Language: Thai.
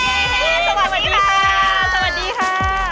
สวัสดีค่ะ